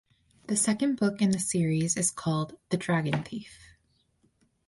The second book in the series is called "The Dragon Thief".